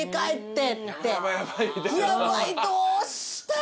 えっ？